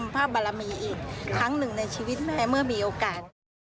ภาพบารมีอีกครั้งหนึ่งในชีวิตแม่เมื่อมีโอกาส